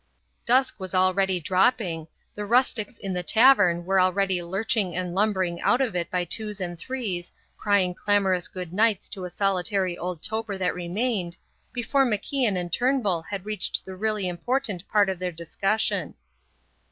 Dusk was already dropping, the rustics in the tavern were already lurching and lumbering out of it by twos and threes, crying clamorous good nights to a solitary old toper that remained, before MacIan and Turnbull had reached the really important part of their discussion.